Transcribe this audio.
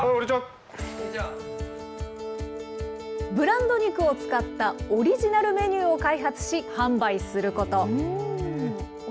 ブランド肉を使ったオリジナルメニューを開発し、販売すること。